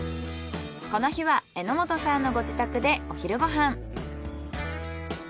この日は榎本さんのご自宅でお昼ご飯。